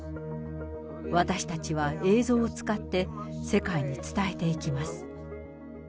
私たちは映像を使って、世界に伝えていきます。